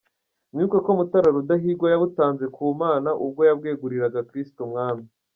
Mwibuke ko Mutara Rudahigwa yabutanze ku Mana ubwo yabweguriraga Kristo Umwami.